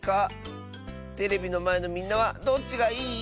テレビのまえのみんなはどっちがいい？